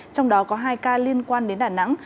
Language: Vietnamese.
trong đó có hai ca liên quan đến đà nẵng